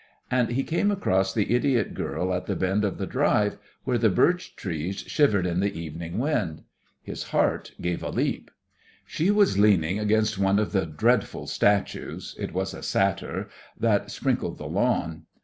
And he came across the idiot girl at the bend of the drive, where the birch trees shivered in the evening wind. His heart gave a leap. She was leaning against one of the dreadful statues it was a satyr that sprinkled the lawn.